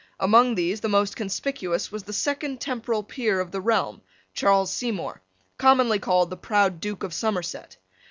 Among these the most conspicuous was the second temporal peer of the realm, Charles Seymour, commonly called the proud Duke of Somerset.